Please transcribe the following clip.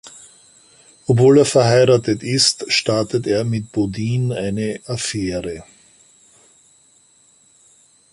Obwohl er verheiratet ist, startet er mit Bodine eine Affäre.